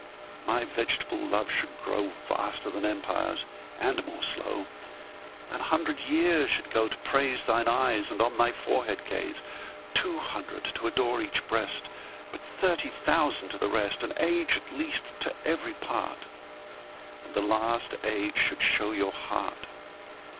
My vegetable Love should growVaster then Empires, and more slow. An hundred years should go to praiseThine Eyes, and on thy Forehead Gaze.Two hundred to adore each Breast:But thirty thousand to the rest. An Age at least to every part, And the last Age should show your Heart.